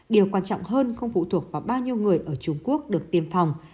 điều quan trọng hơn không phụ thuộc vào bao nhiêu người ở trung quốc được tiêm phòng